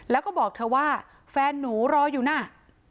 แล้วก็บอกเธอว่าแฟนหนูรออยู่น่ะ